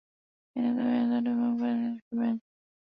Many of the pairs are to or from English or French.